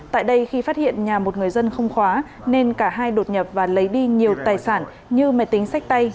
tại đây khi phát hiện nhà một người dân không khóa nên cả hai đột nhập và lấy đi nhiều tài sản như máy tính sách tay